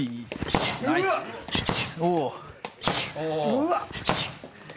うわっ。